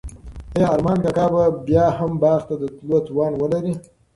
آیا ارمان کاکا به بیا هم باغ ته د تلو توان ولري؟